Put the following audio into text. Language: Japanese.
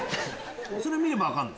それ見れば分かるの？